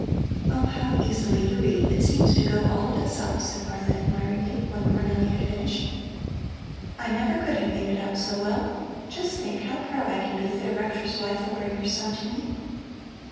"Oh, how easily you read. It seems to go all of itself," said Martha admiringly, when Cornelli had finished. "I never could have made it out so well. Just think how proud I can be that a rector's wife will bring her son to me.